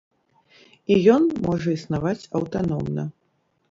І ён можа існаваць аўтаномна.